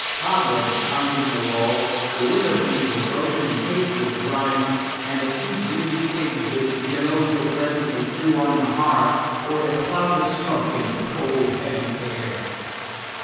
Cobwebs hung from the walls, the window panes were broken and caked with grime, and the few green twigs which Giannozzo presently threw on the hearth poured a cloud of smoke into the cold heavy air.